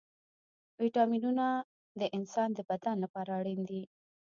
ويټامينونه د انسان د بدن لپاره اړين دي.